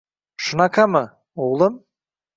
Shunaqami, oʻgʻlim?!